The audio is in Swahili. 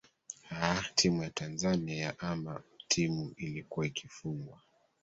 aaa timu ya tanzania ya ama timu ilikuwa ikifugwa